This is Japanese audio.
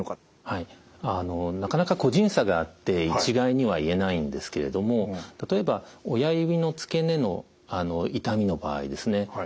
なかなか個人差があって一概には言えないんですけれども例えば親指の付け根の痛みの場合ですね